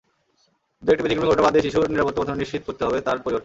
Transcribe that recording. দু-একটি ব্যতিক্রমী ঘটনা বাদ দিয়ে শিশুর নিরাপত্তা প্রথমে নিশ্চিত করতে হবে তার পরিবারকে।